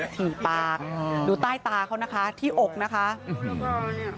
ถี่ปากดูใต้ตาเขานะคะที่อกนะคะอืม